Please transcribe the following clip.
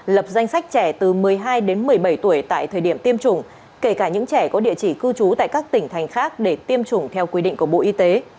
lập danh sách trẻ từ một mươi hai đến một mươi bảy tuổi tại thời điểm tiêm chủng kể cả những trẻ có địa chỉ cư trú tại các tỉnh thành khác để tiêm chủng theo quy định của bộ y tế